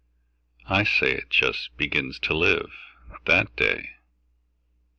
I say it just Begins to live That day.